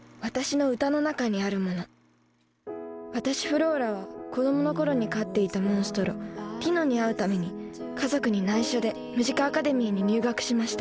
私フローラは子どもの頃に飼っていたモンストロティノに会うために家族にないしょでムジカアカデミーに入学しました